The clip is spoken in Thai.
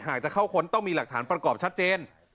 จะเข้าค้นต้องมีหลักฐานประกอบชัดเจน